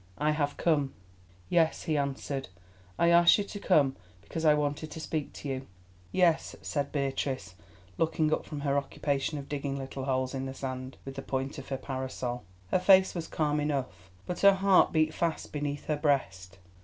"I have come." "Yes," he answered; "I asked you to come because I wanted to speak to you." "Yes?" said Beatrice, looking up from her occupation of digging little holes in the sand with the point of her parasol. Her face was calm enough, but her heart beat fast beneath her breast.